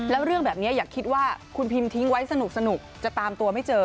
แล้วเรื่องแบบนี้อย่าคิดว่าคุณพิมพ์ทิ้งไว้สนุกจะตามตัวไม่เจอ